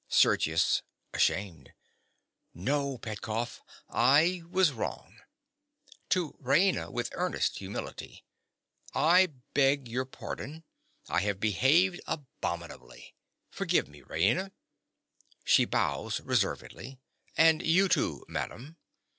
SERGIUS. (ashamed). No, Petkoff: I was wrong. (To Raina, with earnest humility.) I beg your pardon. I have behaved abominably. Forgive me, Raina. (She bows reservedly.) And you, too, madam.